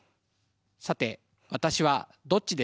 さて私はどっちでしょう？